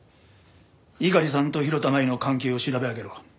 猪狩さんと広田舞の関係を調べ上げろ。